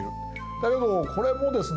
だけどこれもですね